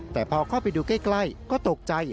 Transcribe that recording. แต่พอเข้าไปดูใกล้ก็ตกใจ